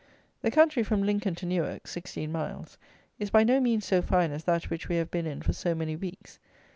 The country from Lincoln to Newark (sixteen miles) is by no means so fine as that which we have been in for so many weeks.